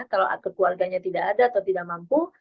kalau ke keluarganya tidak ada atau tidak mampu